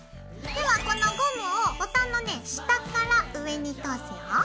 ではこのゴムをボタンのね下から上に通すよ。